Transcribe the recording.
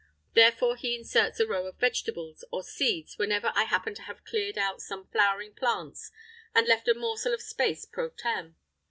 Therefore he inserts a row of vegetables or seeds whenever I happen to have cleared out some flowering plants and left a morsel of space _pro tem.